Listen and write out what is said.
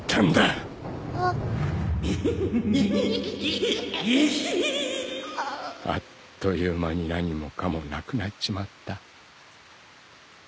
イヒヒヒあっという間に何もかもなくなっちまった。